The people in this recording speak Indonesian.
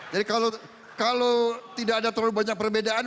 jadi kalau tidak ada terlalu banyak perbedaan